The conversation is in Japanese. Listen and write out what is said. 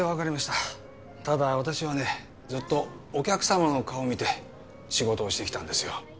ただ私はねずっとお客様の顔を見て仕事をしてきたんですよ